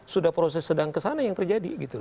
sudah proses sedang kesana yang terjadi gitu loh